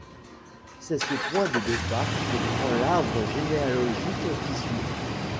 C'est ce point de départ que prend l'arbre généalogique qui suit.